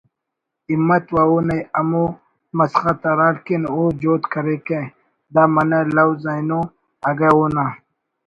”ہمت“ و اونا ہمو مسخت ہراڑکن او جہد کریکہ دا منہ لوز اینو اگہ اونا